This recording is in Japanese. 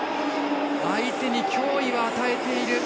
相手に脅威は与えている。